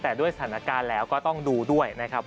แต่ด้วยสถานการณ์แล้วก็ต้องดูด้วยนะครับ